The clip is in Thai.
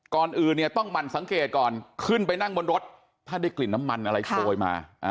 ก่อนอื่นเนี่ยต้องหมั่นสังเกตก่อนขึ้นไปนั่งบนรถถ้าได้กลิ่นน้ำมันอะไรโชยมา